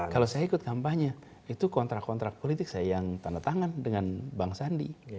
kalau saya ikut kampanye itu kontrak kontrak politik saya yang tanda tangan dengan bang sandi